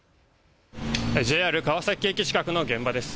ＪＲ川崎駅近くの現場です。